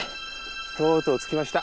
とうとう着きました。